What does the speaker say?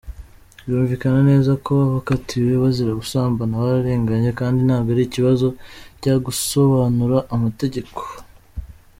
Byumvikane neza ko abakatiwe bazira gusambana bararenganye kandi ntabwo ari ikibazo cya gusobanura amategeko.